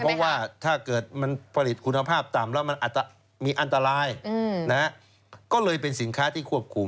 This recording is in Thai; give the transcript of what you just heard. เพราะว่าถ้าเกิดมันผลิตคุณภาพต่ำแล้วมันอาจจะมีอันตรายก็เลยเป็นสินค้าที่ควบคุม